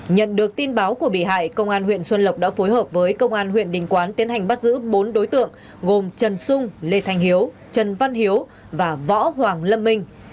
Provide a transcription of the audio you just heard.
nhận được tin báo của bị hại công an huyện xuân lộc đã phối hợp với công an huyện đình quán tiến hành bắt giữ bốn đối tượng gồm trần xuân lê thanh hiếu trần văn hiếu và võ hoàng lâm minh